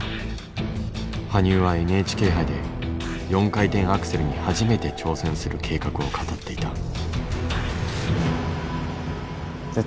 羽生はＮＨＫ杯で４回転アクセルに初めて挑戦する計画を語っていた。